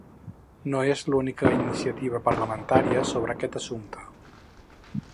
No és l’única iniciativa parlamentària sobre aquest assumpte.